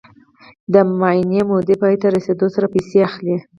د معینې مودې په پای ته رسېدو سره پیسې اخلي